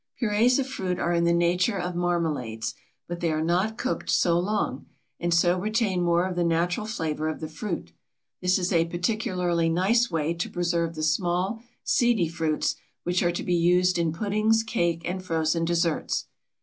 Purées of fruit are in the nature of marmalades, but they are not cooked so long, and so retain more of the natural flavor of the fruit. This is a particularly nice way to preserve the small, seedy fruits, which are to be used in puddings, cake, and frozen desserts.